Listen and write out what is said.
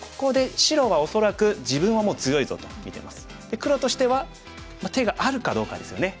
黒としては手があるかどうかですよね。